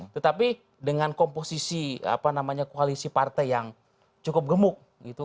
tetapi dengan komposisi koalisi partai yang cukup gemuk gitu